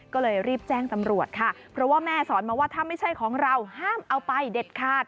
ก็เลยรีบแจ้งตำรวจค่ะเพราะว่าแม่สอนมาว่าถ้าไม่ใช่ของเราห้ามเอาไปเด็ดขาด